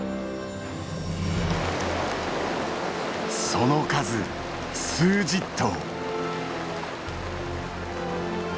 その数数十頭。